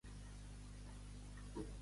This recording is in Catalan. En Windedgger beu el vi i queda sedat.